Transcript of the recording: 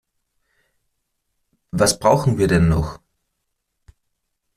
Was brauchen wir denn noch?